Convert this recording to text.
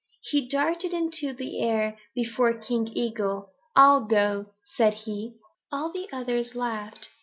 He darted into the air before King Eagle. 'I'll go,' said he. "All the others laughed.